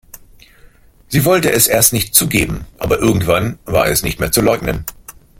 Sie wollte es erst nicht zugeben, aber irgendwann war es nicht mehr zu leugnen.